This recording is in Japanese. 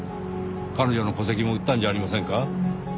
彼女の戸籍も売ったんじゃありませんか？